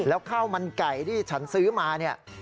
แล้วข้าวมันไก่ที่ฉันซื้อมาเนี่ย